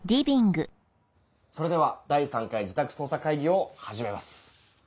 それでは第３回自宅捜査会議を始めます。